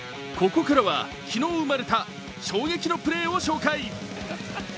ここからは昨日生まれた衝撃のプレーを紹介。